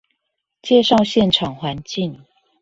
介紹現場環境